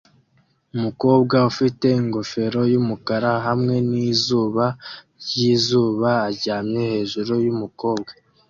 Umukobwa ufite ingofero yumukara hamwe nizuba ryizuba aryamye hejuru yumukobwa